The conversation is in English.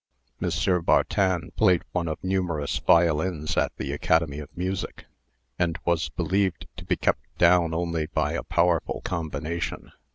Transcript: M. Bartin played one of numerous violins at the Academy of Music, and was believed to be kept down only by a powerful combination.